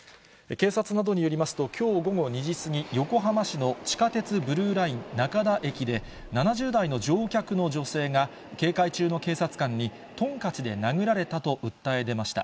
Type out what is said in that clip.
警察などによりますと、きょう午後２時過ぎ、横浜市の地下鉄ブルーライン中田駅で、７０代の乗客の女性が、警戒中の警察官に、トンカチで殴られたと訴え出ました。